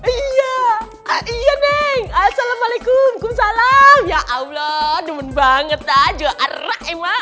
iya iya neng assalamualaikum kumsalam ya allah demen banget aja